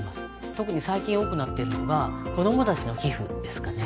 特に最近多くなっているのが子どもたちの寄付ですかね